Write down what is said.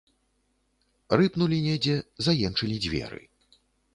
Рыпнулі недзе, заенчылі дзверы.